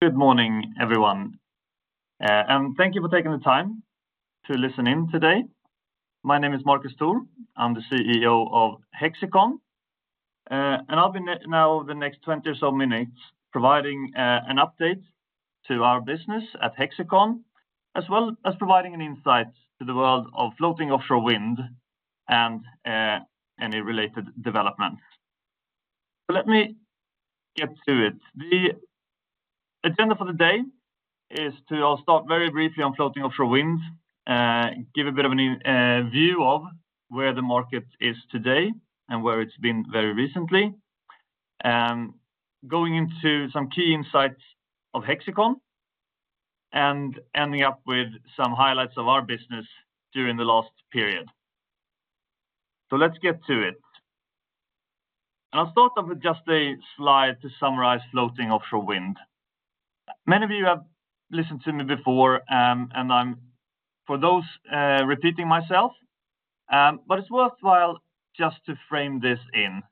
Good morning, everyone, and thank you for taking the time to listen in today. My name is Marcus Thor. I'm the CEO of Hexicon, and I'll be now, over the next 20 or so minutes, providing an update to our business at Hexicon, as well as providing an insight to the world of floating offshore wind and any related development. So let me get to it. The agenda for the day is to, I'll start very briefly on floating offshore winds, give a bit of an view of where the market is today and where it's been very recently. Going into some key insights of Hexicon, and ending up with some highlights of our business during the last period. So let's get to it. And I'll start off with just a slide to summarize floating offshore wind. Many of you have listened to me before, and I'm, for those, repeating myself, but it's worthwhile just to frame this in.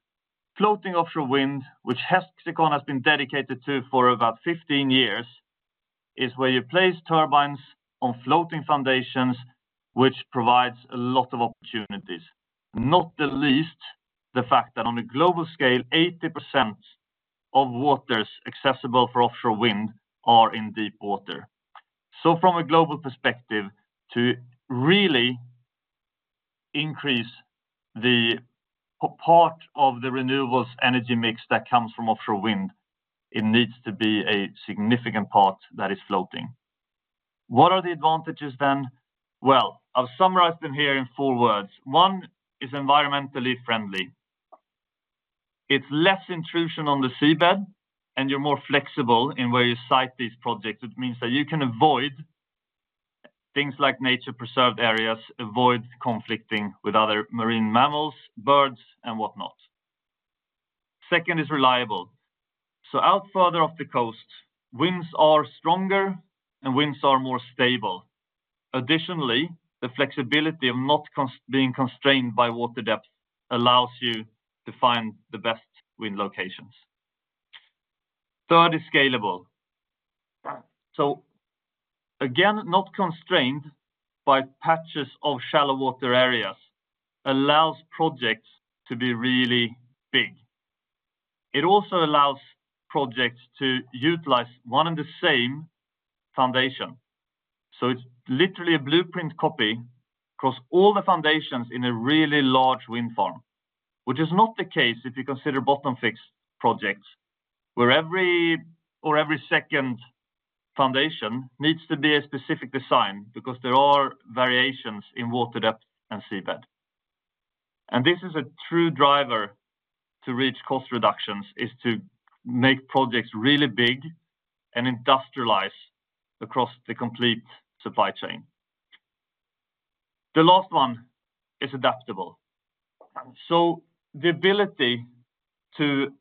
Floating offshore wind, which Hexicon has been dedicated to for about 15 years, is where you place turbines on floating foundations, which provides a lot of opportunities, not the least, the fact that on a global scale, 80% of waters accessible for offshore wind are in deep water. So from a global perspective, to really increase the part of the renewables energy mix that comes from offshore wind, it needs to be a significant part that is floating. What are the advantages then? Well, I've summarized them here in four words. One, is environmentally friendly. It's less intrusion on the seabed, and you're more flexible in where you site these projects. It means that you can avoid things like nature preserved areas, avoid conflicting with other marine mammals, birds, and whatnot. Second is reliable. So out further off the coast, winds are stronger and winds are more stable. Additionally, the flexibility of not being constrained by water depth allows you to find the best wind locations. Third, is scalable. So again, not constrained by patches of shallow water areas, allows projects to be really big. It also allows projects to utilize one and the same foundation. So it's literally a blueprint copy across all the foundations in a really large wind farm. Which is not the case if you consider bottom-fixed projects, where every or every second foundation needs to be a specific design because there are variations in water depth and seabed. This is a true driver to reach cost reductions: to make projects really big and industrialize across the complete supply chain. The last one is adaptable. So the ability to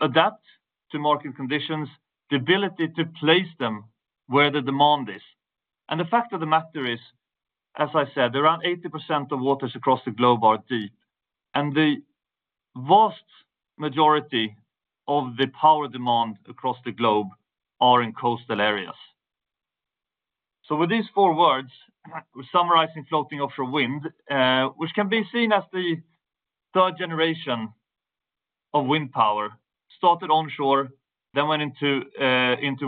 adapt to market conditions, the ability to place them where the demand is. And the fact of the matter is, as I said, around 80% of waters across the globe are deep, and the vast majority of the power demand across the globe are in coastal areas. So with these four words, we're summarizing floating offshore wind, which can be seen as the third generation of wind power, started onshore, then went into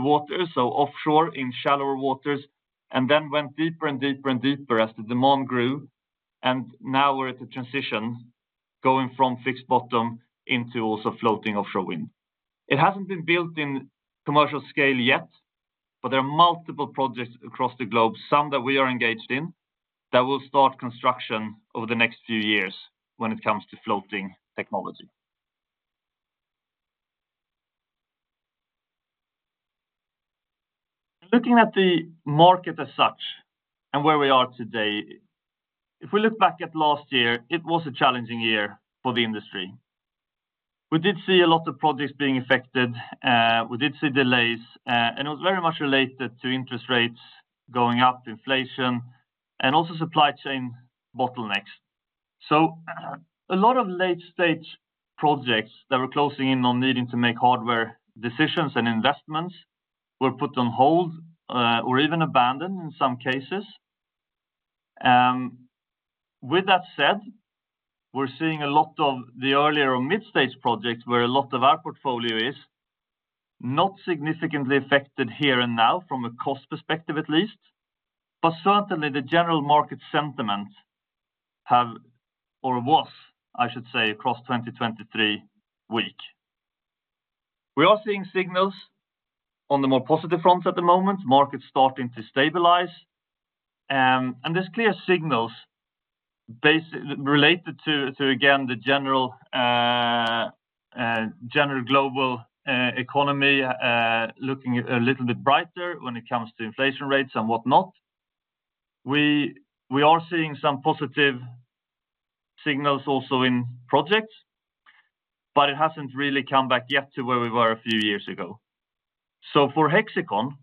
water, so offshore, in shallower waters, and then went deeper and deeper and deeper as the demand grew. And now we're at the transition, going from fixed bottom into also floating offshore wind. It hasn't been built in commercial scale yet, but there are multiple projects across the globe, some that we are engaged in, that will start construction over the next few years when it comes to floating technology. Looking at the market as such and where we are today, if we look back at last year, it was a challenging year for the industry. We did see a lot of projects being affected, we did see delays, and it was very much related to interest rates going up, inflation, and also supply chain bottlenecks. So a lot of late-stage projects that were closing in on needing to make hardware decisions and investments were put on hold, or even abandoned in some cases. With that said, we're seeing a lot of the earlier or mid-stage projects where a lot of our portfolio is not significantly affected here and now from a cost perspective, at least, but certainly the general market sentiment have, or was, I should say, across 2023, weak. We are seeing signals on the more positive front at the moment, markets starting to stabilize, and there's clear signals related to, to, again, the general, general global, economy, looking a little bit brighter when it comes to inflation rates and whatnot. We, we are seeing some positive signals also in projects, but it hasn't really come back yet to where we were a few years ago. So for Hexicon-...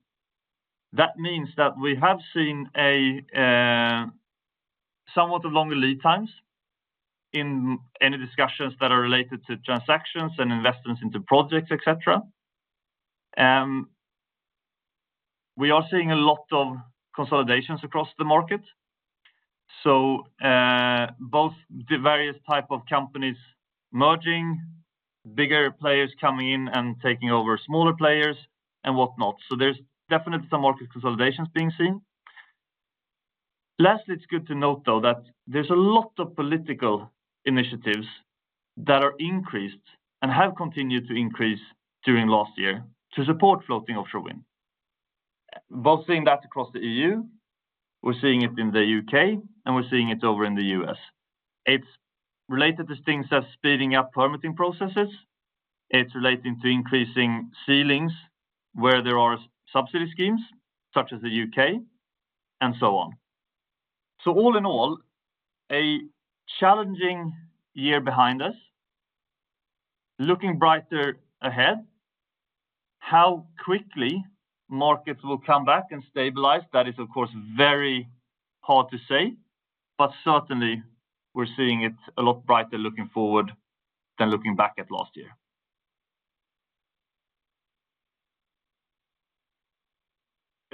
That means that we have seen somewhat of longer lead times in any discussions that are related to transactions and investments into projects, et cetera. We are seeing a lot of consolidations across the market. So, both the various type of companies merging, bigger players coming in and taking over smaller players, and whatnot. So there's definitely some market consolidations being seen. Lastly, it's good to note, though, that there's a lot of political initiatives that are increased and have continued to increase during last year to support floating offshore wind. Both seeing that across the EU, we're seeing it in the U.K., and we're seeing it over in the U.S. It's related to things as speeding up permitting processes, it's relating to increasing ceilings where there are subsidy schemes, such as the U.K., and so on. So all in all, a challenging year behind us, looking brighter ahead. How quickly markets will come back and stabilize, that is, of course, very hard to say, but certainly we're seeing it a lot brighter looking forward than looking back at last year.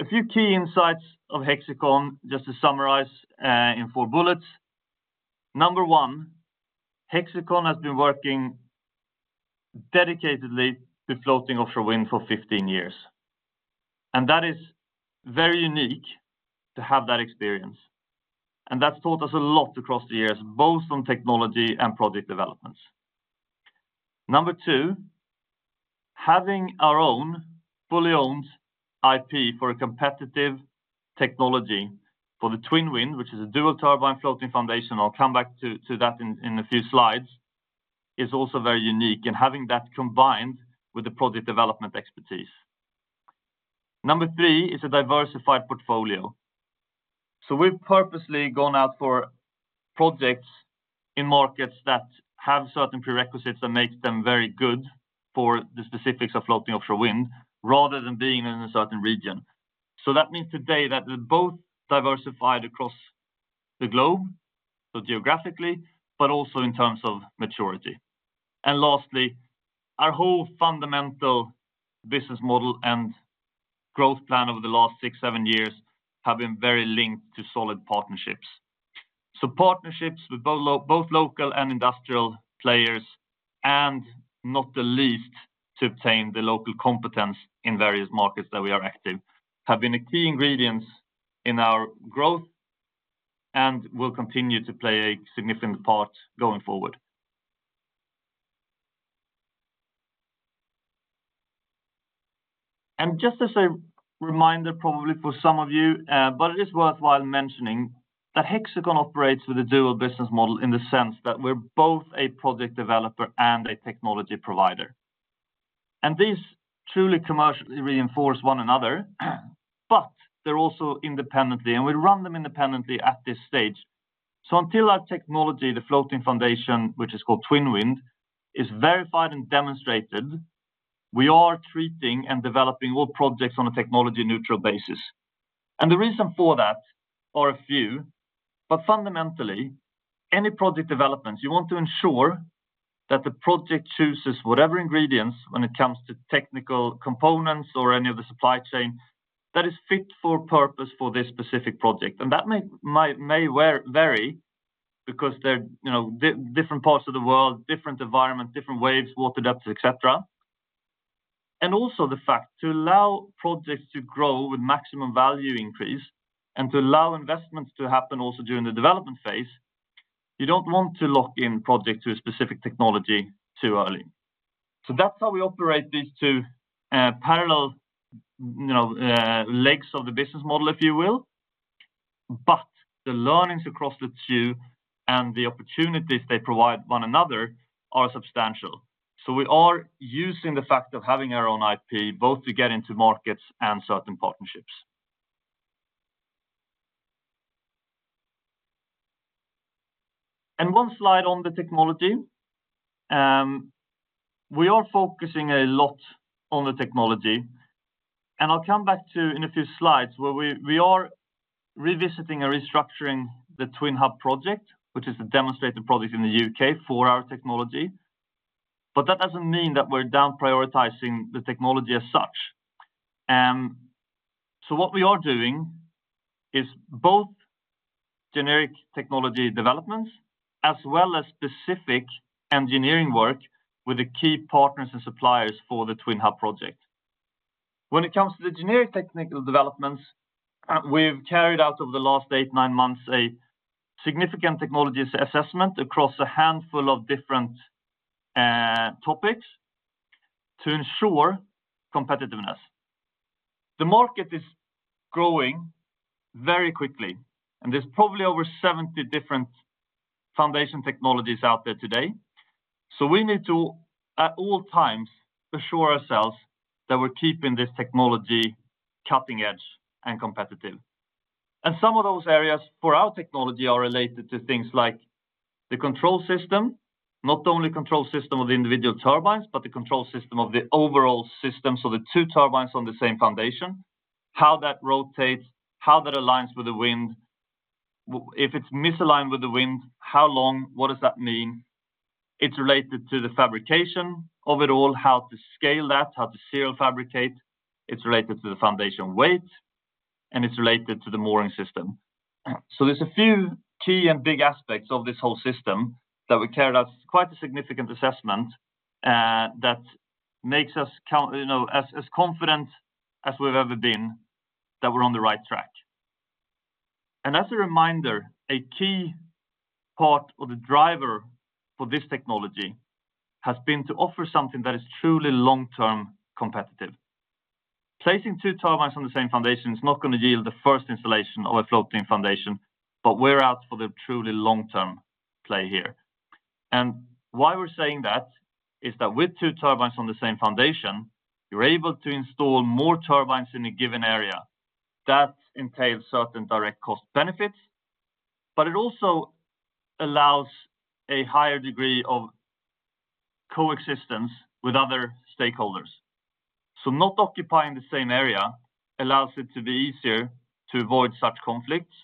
A few key insights of Hexicon, just to summarize, in four bullets. Number one, Hexicon has been working dedicatedly to floating offshore wind for 15 years, and that is very unique to have that experience, and that's taught us a lot across the years, both on technology and project developments. Number two, having our own fully owned IP for a competitive technology for the TwinWind, which is a dual turbine floating foundation, I'll come back to that in a few slides, is also very unique, and having that combined with the project development expertise. Number three is a diversified portfolio. So we've purposely gone out for projects in markets that have certain prerequisites that makes them very good for the specifics of floating offshore wind, rather than being in a certain region. So that means today that we're both diversified across the globe, so geographically, but also in terms of maturity. And lastly, our whole fundamental business model and growth plan over the last six-seven years have been very linked to solid partnerships. So partnerships with both local and industrial players, and not the least, to obtain the local competence in various markets that we are active, have been a key ingredient in our growth, and will continue to play a significant part going forward. Just as a reminder, probably for some of you, but it is worthwhile mentioning, that Hexicon operates with a dual business model in the sense that we're both a project developer and a technology provider. And these truly commercially reinforce one another, but they're also independently, and we run them independently at this stage. So until our technology, the floating foundation, which is called TwinWind, is verified and demonstrated, we are treating and developing all projects on a technology neutral basis. And the reason for that are a few, but fundamentally, any project developments, you want to ensure that the project chooses whatever ingredients when it comes to technical components or any of the supply chain, that is fit for purpose for this specific project. That may vary because they're, you know, different parts of the world, different environment, different waves, water depths, et cetera. And also the fact to allow projects to grow with maximum value increase and to allow investments to happen also during the development phase, you don't want to lock in project to a specific technology too early. So that's how we operate these two parallel, you know, legs of the business model, if you will. But the learnings across the two and the opportunities they provide one another are substantial. So we are using the fact of having our own IP, both to get into markets and certain partnerships. And one slide on the technology. We are focusing a lot on the technology, and I'll come back to in a few slides, where we are revisiting or restructuring the TwinHub project, which is a demonstration project in the U.K. for our technology. But that doesn't mean that we're down prioritizing the technology as such. So what we are doing is both generic technology developments, as well as specific engineering work with the key partners and suppliers for the TwinHub project. When it comes to the generic technical developments, we've carried out over the last eight-nine months, a significant technologies assessment across a handful of different topics to ensure competitiveness. The market is growing very quickly, and there's probably over 70 different foundation technologies out there today. So we need to, at all times, assure ourselves that we're keeping this technology cutting edge and competitive. Some of those areas for our technology are related to things like the control system, not only control system of the individual turbines, but the control system of the overall system. So the two turbines on the same foundation, how that rotates, how that aligns with the wind. If it's misaligned with the wind, how long? What does that mean? It's related to the fabrication of it all, how to scale that, how to serial fabricate. It's related to the foundation weight, and it's related to the mooring system. So there's a few key and big aspects of this whole system that we carried out quite a significant assessment, that makes us count, you know, as, as confident as we've ever been that we're on the right track. As a reminder, a key part or the driver for this technology has been to offer something that is truly long-term competitive. Placing two turbines on the same foundation is not gonna yield the first installation of a floating foundation, but we're out for the truly long-term play here. And why we're saying that, is that with two turbines on the same foundation, you're able to install more turbines in a given area. That entails certain direct cost benefits, but it also allows a higher degree of coexistence with other stakeholders. So not occupying the same area allows it to be easier to avoid such conflicts.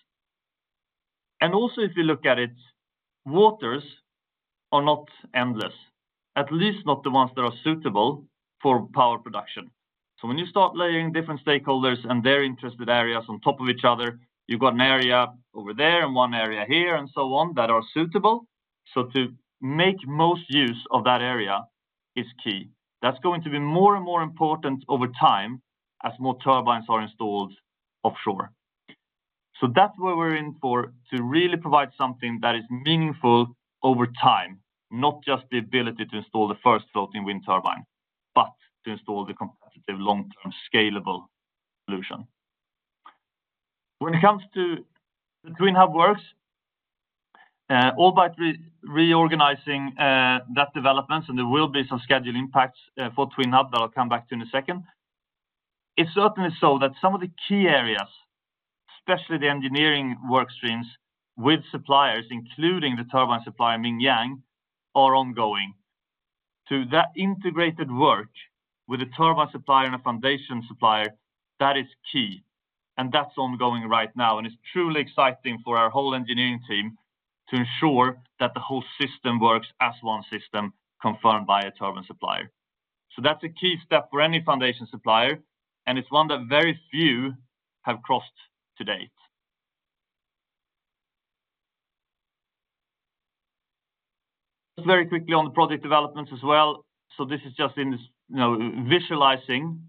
And also, if you look at it, waters are not endless, at least not the ones that are suitable for power production. So when you start laying different stakeholders and their interested areas on top of each other, you've got an area over there and one area here, and so on, that are suitable. So to make most use of that area is key. That's going to be more and more important over time as more turbines are installed offshore. So that's where we're in for, to really provide something that is meaningful over time, not just the ability to install the first floating wind turbine, but to install the competitive, long-term, scalable solution. When it comes to the TwinHub works, all by reorganizing that development, and there will be some scheduling impacts for TwinHub that I'll come back to in a second. It's certainly so that some of the key areas, especially the engineering work streams with suppliers, including the turbine supplier, contracts or certification are ongoing. To that integrated work with a turbine supplier and a foundation supplier, that is key, and that's ongoing right now, and it's truly exciting for our whole engineering team to ensure that the whole system works as one system confirmed by a turbine supplier. So that's a key step for any foundation supplier, and it's one that very few have crossed to date. Very quickly on the project developments as well. So this is just in, you know, visualizing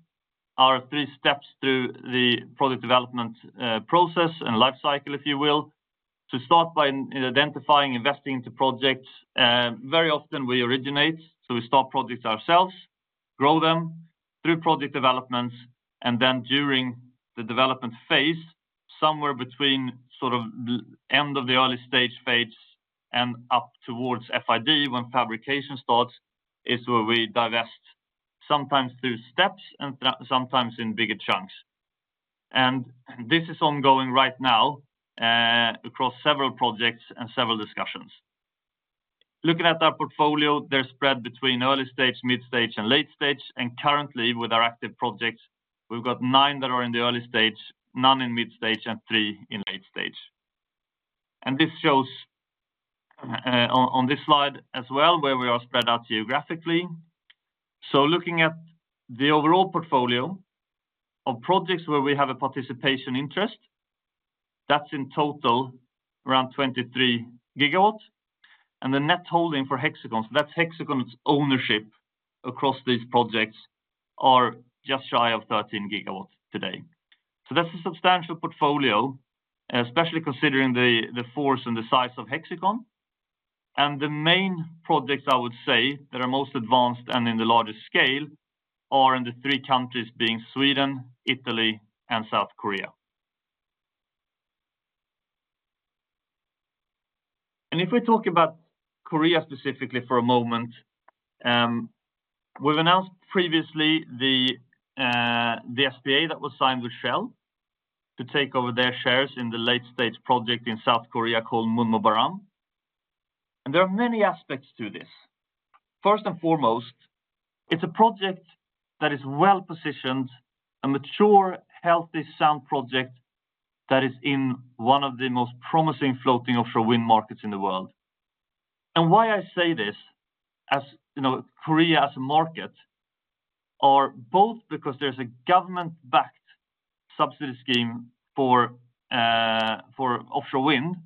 our three steps through the product development, process and life cycle, if you will. To start by, in identifying, investing into projects, very often we originate, so we start projects ourselves, grow them through project developments, and then during the development phase, somewhere between sort of the end of the early stage phase and up towards FID, when fabrication starts, is where we divest, sometimes through steps and sometimes in bigger chunks. This is ongoing right now, across several projects and several discussions. Looking at our portfolio, they're spread between early stage, mid stage, and late stage. Currently, with our active projects, we've got nine that are in the early stage, none in mid stage, and three in late stage. This shows on this slide as well, where we are spread out geographically. So looking at the overall portfolio of projects where we have a participation interest, that's in total around 23 GW, and the net holding for Hexicon, so that's Hexicon's ownership across these projects, are just shy of 13 GW today. So that's a substantial portfolio, especially considering the force and the size of Hexicon. And the main projects, I would say, that are most advanced and in the largest scale, are in the three countries, being Sweden, Italy, and South Korea. And if we talk about Korea specifically for a moment, we've announced previously the SPA that was signed with Shell to take over their shares in the late stage project in South Korea called Munmu Baram. And there are many aspects to this. First and foremost, it's a project that is well-positioned, a mature, healthy, sound project that is in one of the most promising floating offshore wind markets in the world. And why I say this, as you know, Korea as a market, are both because there's a government-backed subsidy scheme for offshore wind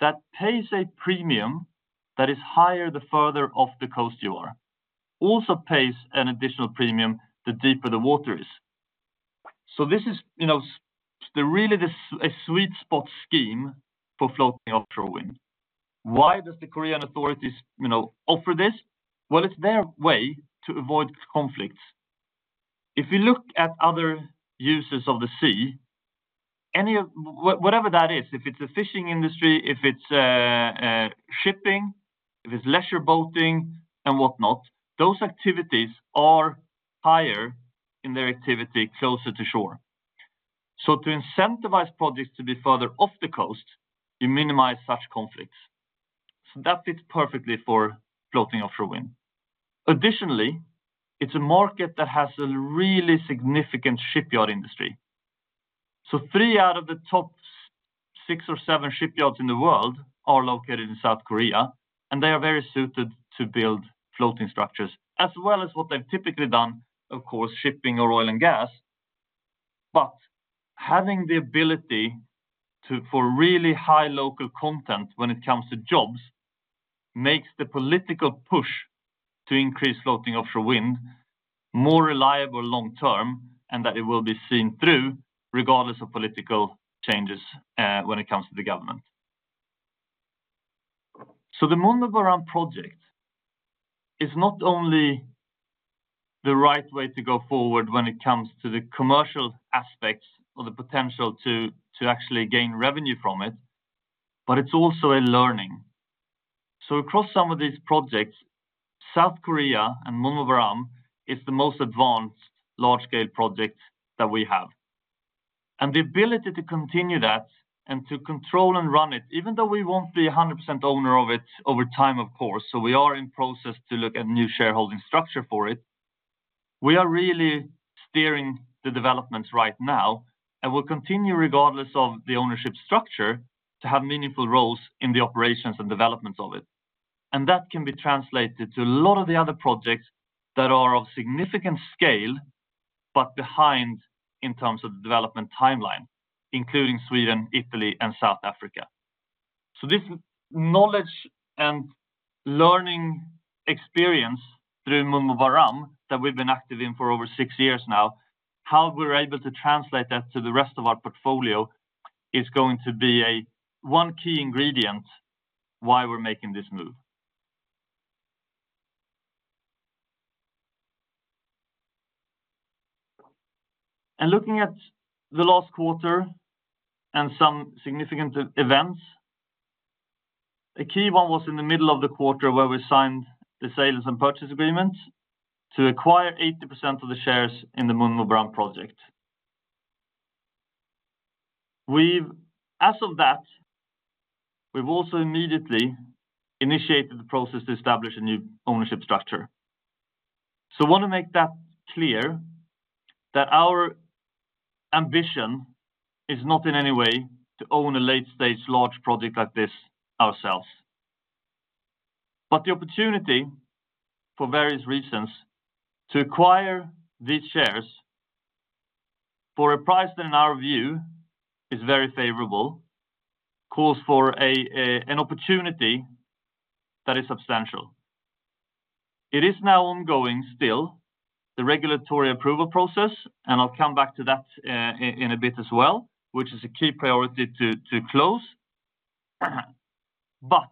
that pays a premium that is higher the further off the coast you are, also pays an additional premium the deeper the water is. So this is, you know, a really sweet spot scheme for floating offshore wind. Why does the Korean authorities offer this? Well, it's their way to avoid conflicts. If you look at other users of the sea, any of whatever that is, if it's a fishing industry, if it's shipping-... If it's leisure boating and whatnot, those activities are higher in their activity closer to shore. So to incentivize projects to be further off the coast, you minimize such conflicts. So that fits perfectly for floating offshore wind. Additionally, it's a market that has a really significant shipyard industry. So three out of the top six or seven shipyards in the world are located in South Korea, and they are very suited to build floating structures, as well as what they've typically done, of course, shipping or oil and gas. But having the ability to—for really high local content when it comes to jobs, makes the political push to increase floating offshore wind more reliable long term, and that it will be seen through regardless of political changes, when it comes to the government. So the Munmu Baram project is not only the right way to go forward when it comes to the commercial aspects or the potential to actually gain revenue from it, but it's also a learning. So across some of these projects, South Korea and Munmu Baram is the most advanced large-scale project that we have. And the ability to continue that and to control and run it, even though we won't be 100% owner of it over time, of course, so we are in process to look at new shareholding structure for it. We are really steering the developments right now, and we'll continue, regardless of the ownership structure, to have meaningful roles in the operations and developments of it. That can be translated to a lot of the other projects that are of significant scale, but behind in terms of the development timeline, including Sweden, Italy, and South Africa. This knowledge and learning experience through Munmu Baram, that we've been active in for over 6 years now, how we're able to translate that to the rest of our portfolio is going to be a one key ingredient why we're making this move. Looking at the last quarter and some significant events, a key one was in the middle of the quarter where we signed the sales and purchase agreement to acquire 80% of the shares in the Munmu Baram project. As of that, we've also immediately initiated the process to establish a new ownership structure. So I wanna make that clear, that our ambition is not in any way to own a late-stage large project like this ourselves. But the opportunity, for various reasons, to acquire these shares for a price that, in our view, is very favorable, calls for an opportunity that is substantial. It is now ongoing still, the regulatory approval process, and I'll come back to that, in a bit as well, which is a key priority to close. But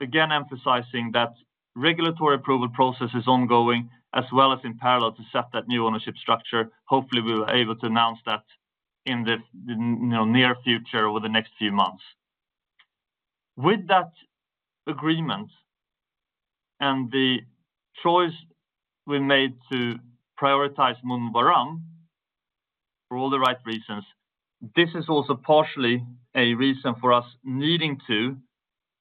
again, emphasizing that regulatory approval process is ongoing, as well as in parallel, to set that new ownership structure. Hopefully, we'll be able to announce that in the, you know, near future, over the next few months. With that agreement and the choice we made to prioritize Munmu Baram for all the right reasons, this is also partially a reason for us needing to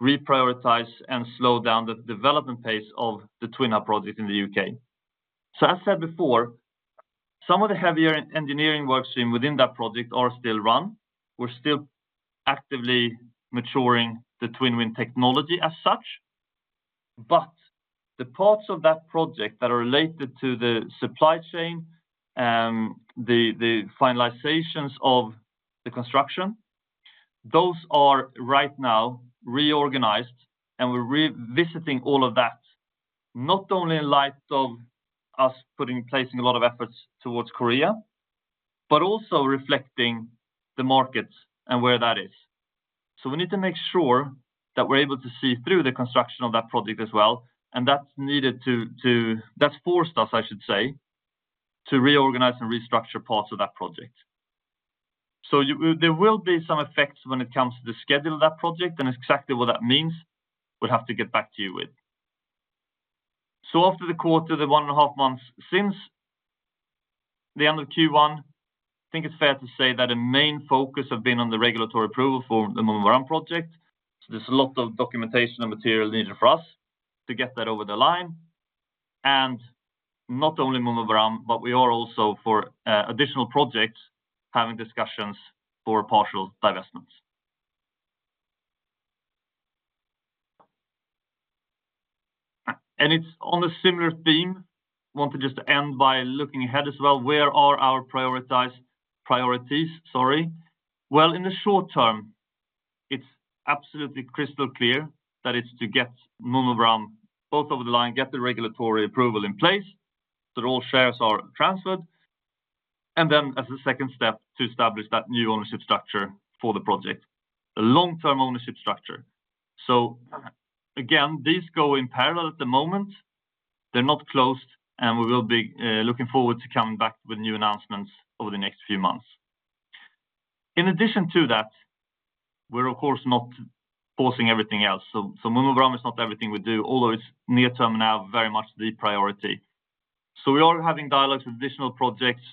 reprioritize and slow down the development pace of the TwinHub project in the U.K. So as I said before, some of the heavier engineering works within that project are still run. We're still actively maturing the TwinWind technology as such, but the parts of that project that are related to the supply chain and the finalizations of the construction, those are right now reorganized, and we're revisiting all of that, not only in light of us putting, placing a lot of efforts towards Korea, but also reflecting the markets and where that is. So we need to make sure that we're able to see through the construction of that project as well, and that's needed to that's forced us, I should say, to reorganize and restructure parts of that project. So you, there will be some effects when it comes to the schedule of that project, and exactly what that means, we'll have to get back to you with. So after the quarter, the 1.5 months since the end of Q1, I think it's fair to say that the main focus have been on the regulatory approval for the Munmu Baram project. There's a lot of documentation and material needed for us to get that over the line, and not only Munmu Baram, but we are also, for, additional projects, having discussions for partial divestments. And it's on a similar theme, want to just end by looking ahead as well. Where are our priorities? Sorry. Well, in the short term, it's absolutely crystal clear that it's to get Munmu Baram both over the line, get the regulatory approval in place, that all shares are transferred, and then as a second step, to establish that new ownership structure for the project, the long-term ownership structure. So again, these go in parallel at the moment. They're not closed, and we will be looking forward to coming back with new announcements over the next few months. In addition to that, we're of course not pausing everything else. So, so Munmu Baram is not everything we do, although it's near term now very much the priority. So we are having dialogues with additional projects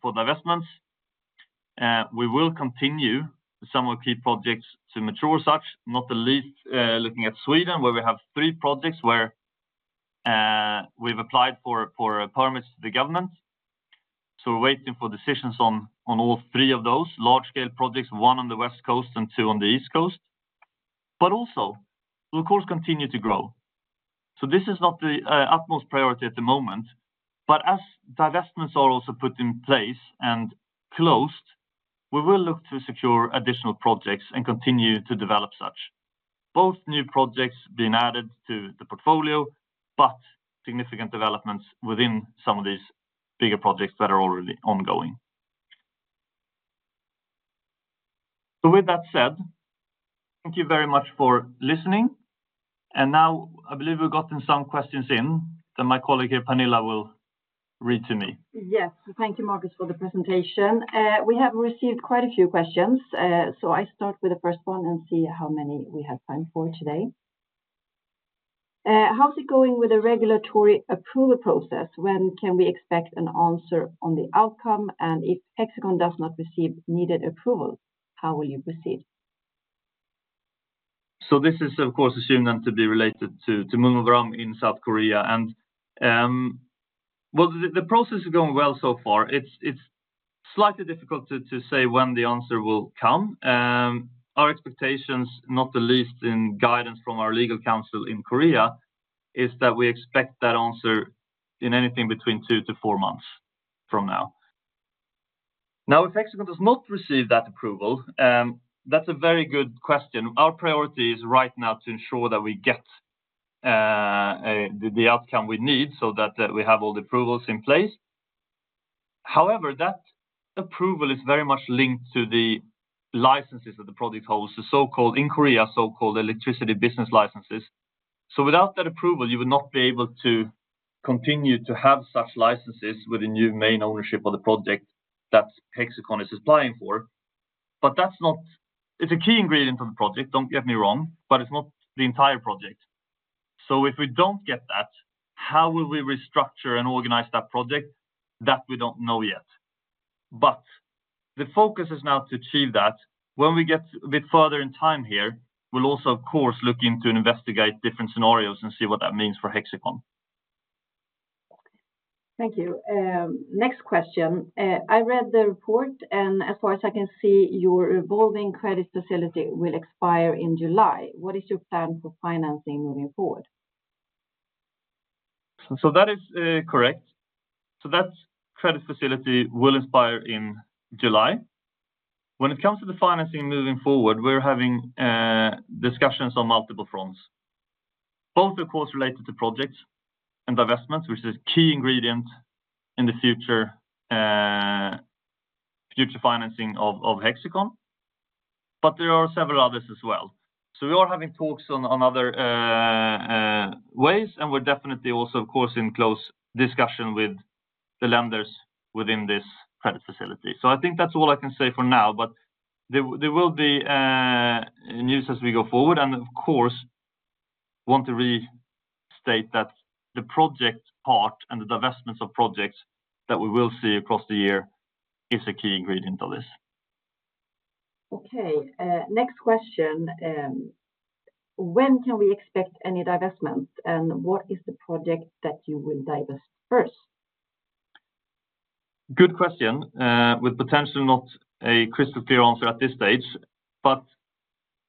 for divestments. We will continue some of key projects to mature such, not the least, looking at Sweden, where we have three projects where we've applied for permits to the government. So we're waiting for decisions on all three of those large-scale projects, one on the West Coast and two on the East Coast. But also, we'll of course continue to grow. So this is not the utmost priority at the moment, but as divestments are also put in place and closed, we will look to secure additional projects and continue to develop such. Both new projects being added to the portfolio, but significant developments within some of these bigger projects that are already ongoing. So with that said, thank you very much for listening. And now, I believe we've gotten some questions in, that my colleague here, Pernilla, will read to me. Yes. Thank you, Marcus, for the presentation. We have received quite a few questions, so I start with the first one and see how many we have time for today. How is it going with the regulatory approval process? When can we expect an answer on the outcome? And if Hexicon does not receive needed approval, how will you proceed? So this is, of course, assumed then to be related to Munmu Baram in South Korea. And, well, the process is going well so far. It's slightly difficult to say when the answer will come. Our expectations, not the least in guidance from our legal counsel in Korea, is that we expect that answer in anything between two-four months from now. Now, if Hexicon does not receive that approval, that's a very good question. Our priority is right now to ensure that we get the outcome we need so that we have all the approvals in place. However, that approval is very much linked to the licenses that the project holds, the so-called, in Korea, electricity business licenses. So without that approval, you would not be able to continue to have such licenses with a new main ownership of the project that Hexicon is applying for. But that's not-- It's a key ingredient of the project, don't get me wrong, but it's not the entire project. So if we don't get that, how will we restructure and organize that project? That we don't know yet. But the focus is now to achieve that. When we get a bit further in time here, we'll also, of course, look into and investigate different scenarios and see what that means for Hexicon. Thank you. Next question. I read the report, and as far as I can see, your revolving credit facility will expire in July. What is your plan for financing moving forward? So that is correct. So that credit facility will expire in July. When it comes to the financing moving forward, we're having discussions on multiple fronts, both, of course, related to projects and divestments, which is key ingredient in the future financing of Hexicon, but there are several others as well. So we are having talks on other ways, and we're definitely also, of course, in close discussion with the lenders within this credit facility. So I think that's all I can say for now, but there will be news as we go forward. And of course, want to restate that the project part and the divestments of projects that we will see across the year is a key ingredient of this. Okay, next question. When can we expect any divestments, and what is the project that you will divest first? Good question with potentially not a crystal clear answer at this stage. But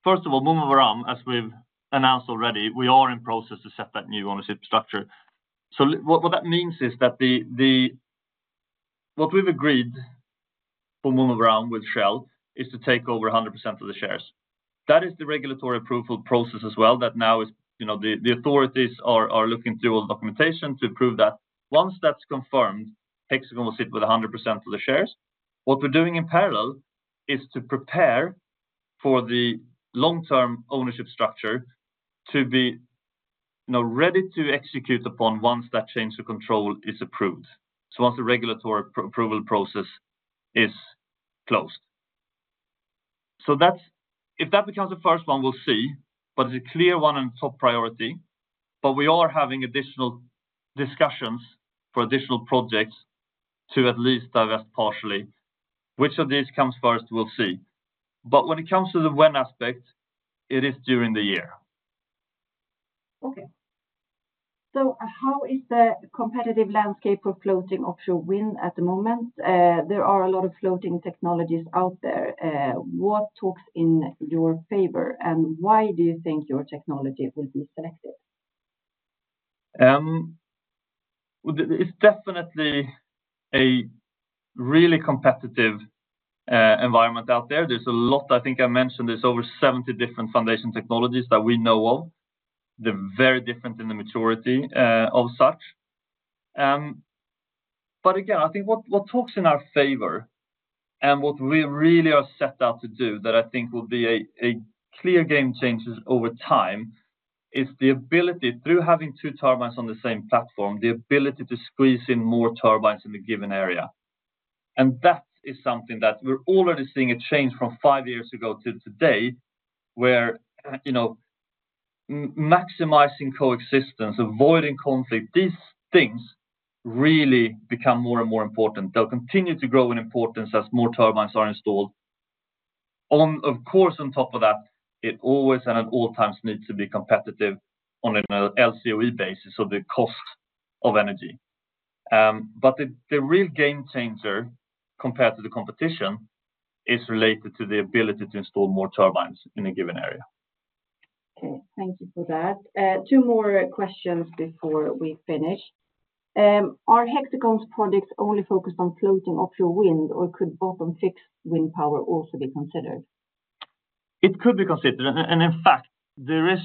first of all, Munmu Baram, as we've announced already, we are in process to set that new ownership structure. So what that means is that what we've agreed for Munmu Baram with Shell is to take over 100% of the shares. That is the regulatory approval process as well, that now is, you know, the authorities are looking through all the documentation to prove that. Once that's confirmed, Hexicon will sit with 100% of the shares. What we're doing in parallel is to prepare for the long-term ownership structure to be, you know, ready to execute upon once that change of control is approved, so once the regulatory approval process is closed. So that's if that becomes the first one, we'll see, but it's a clear one and top priority, but we are having additional discussions for additional projects to at least divest partially. Which of these comes first, we'll see. But when it comes to the when aspect, it is during the year. Okay. So how is the competitive landscape for floating offshore wind at the moment? There are a lot of floating technologies out there. What talks in your favor, and why do you think your technology will be selected? Well, it's definitely a really competitive environment out there. There's a lot, I think I mentioned, there's over 70 different foundation technologies that we know of. They're very different in the maturity of such. But again, I think what talks in our favor and what we really are set out to do that I think will be a clear game changer over time is the ability, through having two turbines on the same platform, the ability to squeeze in more turbines in a given area. And that is something that we're already seeing a change from five years ago to today, where, you know, maximizing coexistence, avoiding conflict, these things really become more and more important. They'll continue to grow in importance as more turbines are installed. Oh, of course, on top of that, it always and at all times needs to be competitive on an LCOE basis, so the cost of energy. But the real game changer, compared to the competition, is related to the ability to install more turbines in a given area. Okay, thank you for that. Two more questions before we finish. Are Hexicon's projects only focused on floating offshore wind, or could bottom-fixed wind power also be considered? It could be considered. And in fact, there is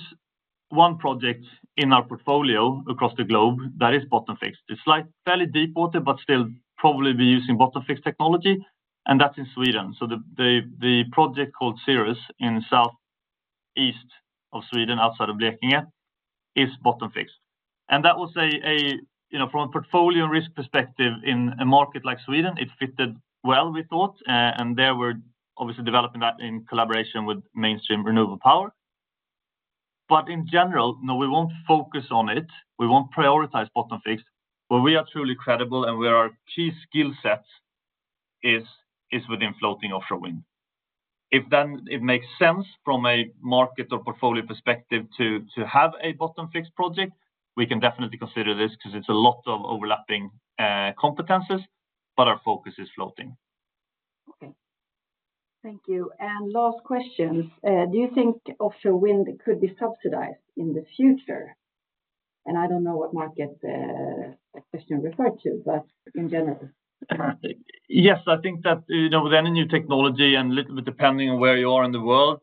one project in our portfolio across the globe that is bottom fixed. It's like fairly deep water, but still probably be using bottom fixed technology, and that's in Sweden. So the project called Cirrus in southeast of Sweden, outside of Blekinge, is bottom fixed. And that was a, you know, from a portfolio risk perspective in a market like Sweden, it fitted well, we thought. And there we're obviously developing that in collaboration with Mainstream Renewable Power. But in general, no, we won't focus on it, we won't prioritize bottom fixed. Where we are truly credible and where our key skill sets is, is within floating offshore wind. If then it makes sense from a market or portfolio perspective to have a bottom-fixed project, we can definitely consider this because it's a lot of overlapping competencies, but our focus is floating. Okay. Thank you. Last question, do you think offshore wind could be subsidized in the future? I don't know what market the question referred to, but in general. Yes, I think that, you know, with any new technology and little bit depending on where you are in the world,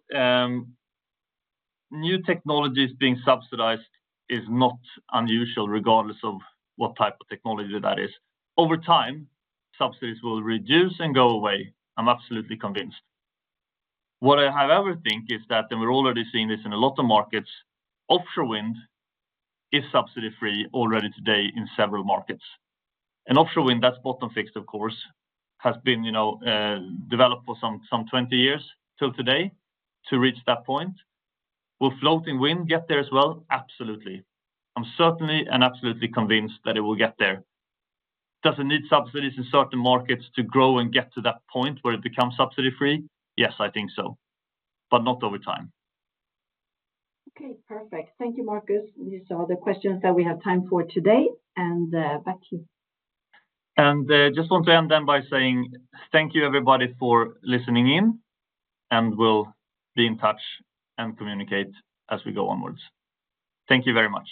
new technologies being subsidized is not unusual, regardless of what type of technology that is. Over time, subsidies will reduce and go away. I'm absolutely convinced. What I however think, is that, and we're already seeing this in a lot of markets, offshore wind is subsidy-free already today in several markets. Offshore wind, that's bottom fixed, of course, has been, you know, developed for some 20 years till today to reach that point. Will floating wind get there as well? Absolutely. I'm certainly and absolutely convinced that it will get there. Does it need subsidies in certain markets to grow and get to that point where it becomes subsidy-free? Yes, I think so, but not over time. Okay, perfect. Thank you, Marcus. These are all the questions that we have time for today, and back to you. Just want to end then by saying thank you, everybody, for listening in, and we'll be in touch and communicate as we go onwards. Thank you very much.